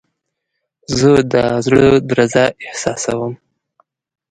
زه د زړه درزا احساسوم.